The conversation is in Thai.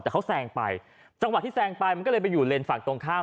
แต่เขาแซงไปจังหวะที่แซงไปมันก็เลยไปอยู่เลนส์ฝั่งตรงข้าม